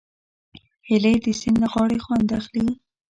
هیلۍ د سیند له غاړې خوند اخلي